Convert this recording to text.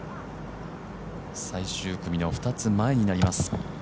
最終組の２つ前になります。